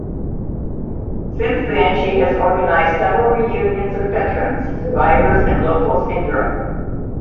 Since then, she has organized several reunions of veterans, survivors and locals in Europe.